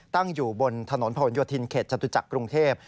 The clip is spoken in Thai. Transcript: ตั้งอยู่บนถนนผนโยธินเขตจตุจักรกรุงเทพ